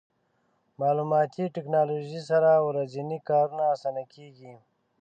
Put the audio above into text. مالوماتي ټکنالوژي سره ورځني کارونه اسانه کېږي.